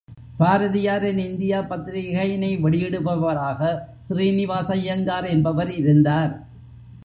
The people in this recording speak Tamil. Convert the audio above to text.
பாரதியாரின் இந்தியா பத்திரிகையினை வெளியிடுபவராக, சீறிநிவாசய்யங்கார் என்பவர் இருந்தார்.